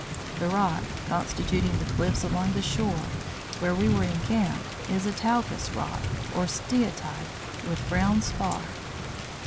The rock constituting the cliffs along the shore where we were encamped, is a talcous rock, or steatite, with brown spar.